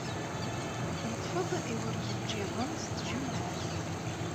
Neḍḍef-d iwerjejjiḍen s tjemmaɛt.